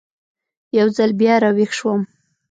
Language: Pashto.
یو ځل بیا را ویښ شوم.